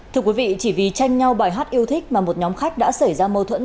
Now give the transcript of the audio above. thưa quý vị chỉ vì tranh nhau bài hát yêu thích mà một nhóm khách đã xảy ra mâu thuẫn